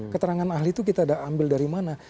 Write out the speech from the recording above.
keterangan ahli itu kita ambil dari mana